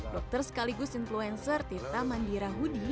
dokter sekaligus influencer tirta mandira hudi